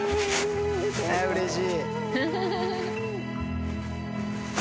うれしい。